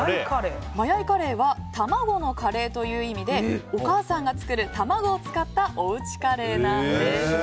マヤイカレーは卵のカレーという意味でお母さんが作る卵を使ったおうちカレーなんです。